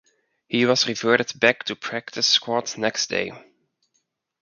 He was reverted back to practice squad next day.